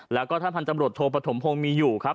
แล้วก็ท่านพันธ์ตำรวจโทปฐมพงศ์มีอยู่ครับ